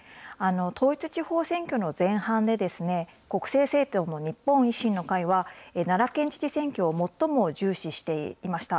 統一地方選挙の前半で、国政政党の日本維新の会は、奈良県知事選挙を最も重視していました。